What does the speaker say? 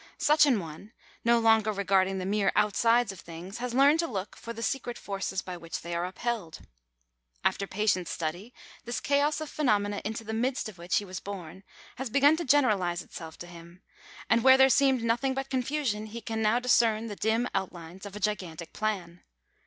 Such an one, no longer regarding the mere outsides of things, has learned to look for the secret forces by which they are upheld. After patient study, this chaos of phenomena into the midst of which he was born has begun to generalize itself to him ; and where there seemed nothing but confusion, he can now discern the dim outlines of a gigantic plan.